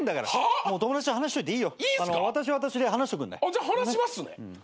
じゃあ話しますね。